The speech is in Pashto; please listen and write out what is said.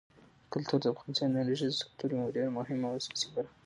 کلتور د افغانستان د انرژۍ د سکتور یوه ډېره مهمه او اساسي برخه ده.